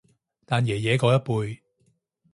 但爺爺嗰一輩